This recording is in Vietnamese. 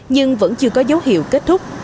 nhưng vẫn chưa có dấu hiệu kết thúc